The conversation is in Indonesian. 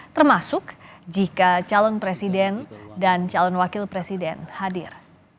termasuk jika calon presiden dan calon wakil presiden hadir